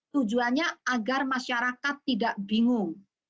tujuannya agar masyarakat tidak bingung